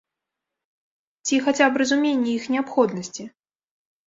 Ці хаця б разуменне іх неабходнасці?